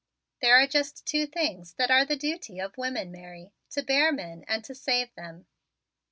"There are just two things that are the duty of women, Mary: to bear men and to save them.